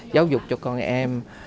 giáo dục cho con em